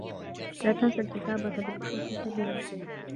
لا تنس الكتابة بالأحرف الكبيرة.